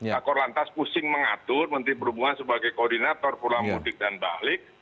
kakor lantas pusing mengatur menteri perhubungan sebagai koordinator pulang mudik dan balik